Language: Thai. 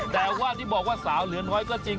แต่ว่าที่บอกว่าสาวเหลือน้อยก็จริง